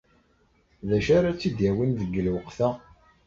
D acu ara tt-id-yawin deg lweqt-a?